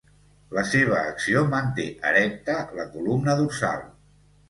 La seva acció manté erecta la columna dorsal.